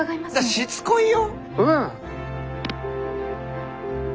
しつこいよ！